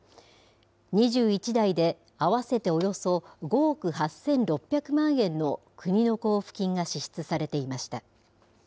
２１台で合わせておよそ５億８６００万円の国の交付金が支出されていました。